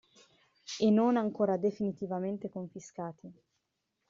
E non ancora definitivamente confiscati.